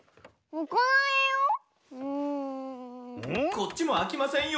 こっちもあきませんよ。